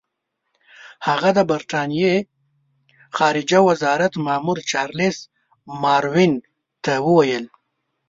هغه د برټانیې خارجه وزارت مامور چارلس ماروین ته ویلي وو.